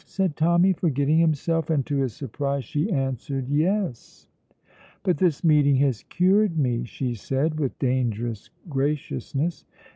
said Tommy, forgetting himself, and, to his surprise, she answered, "Yes." "But this meeting has cured me," she said, with dangerous graciousness.